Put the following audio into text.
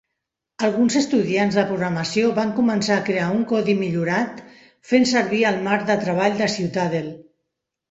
Alguns estudiants de programació van començar a crear un codi millorat fent servir el marc de treball de Ciutadel.